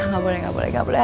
gak boleh gak boleh gak boleh